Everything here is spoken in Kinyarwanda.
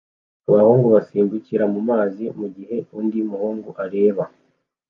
Abahungu basimbukira mumazi mugihe undi muhungu areba